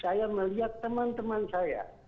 saya melihat teman teman saya